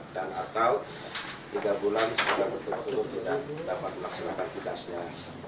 dan atau tiga bulan setelah berturut turut tidak dapat melaksanakan tugasnya